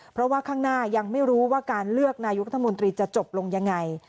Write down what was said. เพราะว่าข้างหน้ายังไม่รู้ว่าการเลือกนายกรัฐมนตรีจะจบลงยังไง